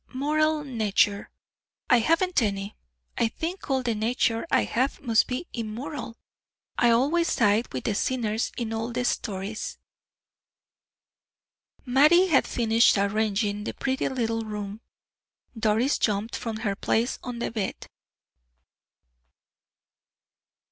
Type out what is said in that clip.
"Moral nature I haven't any. I think all the nature I have must be immoral; I always side with the sinners in all stories." Mattie had finished arranging the pretty little room. Doris jumped from her place on the bed.